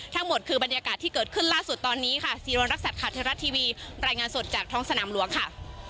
ทั้งหมดคือบรรยากาศที่เกิดขึ้นล่าสุดตอนนี้ค่ะซีรณรักษัตริย์ข่าวเทวรัฐทีวีรายงานสดจากท้องสนามหลวงค่ะ